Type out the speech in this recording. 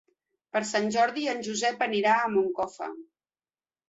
Per Sant Jordi en Josep anirà a Moncofa.